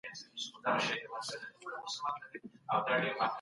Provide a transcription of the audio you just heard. د شپې نوکري ډېره سخته وي.